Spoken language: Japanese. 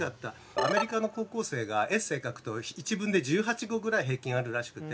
アメリカの高校生がエッセー書くと１文で１８語ぐらい平均あるらしくて。